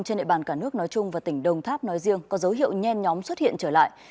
trên địa bàn cả nước nói chung và tỉnh đồng tháp nói riêng có dấu hiệu nhen nhóm xuất hiện trở lại